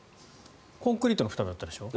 コンクリートのふただったでしょ。